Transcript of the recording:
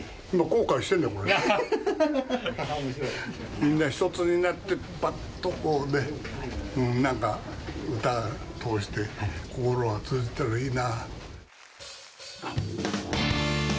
みんな一つになって、ばっとこうね、なんか、歌を通して心が通じたらいいな。